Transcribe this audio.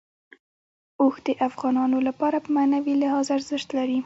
اوښ د افغانانو لپاره په معنوي لحاظ ارزښت لري.